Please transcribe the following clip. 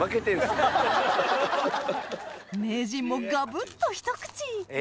名人もガブっと一口！